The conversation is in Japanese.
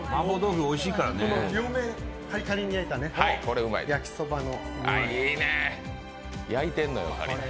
両面カリカリに焼いた焼きそばの。